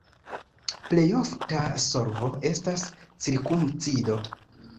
Plej ofta solvo estas cirkumcido.